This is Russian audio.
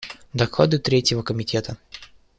Доклады Третьего комитета.